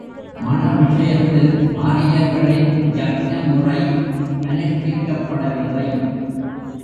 மண விஷயத்தில் ஆரியர்களின் யக்ஞ முறை அனுஷ்டிக்கப்படவில்லை.